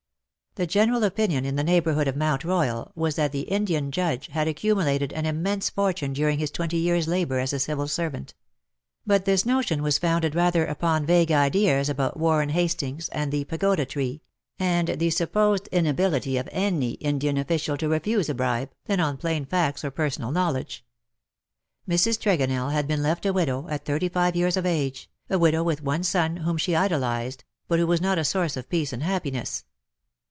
The general opinion in the neighbourhood of Mount Royal was that the Indian Judge had accumulated an immense fortune during his twenty years' labour as a civil servant ; but this notion was founded rather upon vague ideas about Warren Hastings and the Pagoda tree, and the supposed inability of any Indian official to refuse a bribe, than on plain facts or personal knowledge. Mrs. Tregonell had been left a widow at thirty five years of age, a widow with one son whom she idolized, but who was not a source of peace and happiness.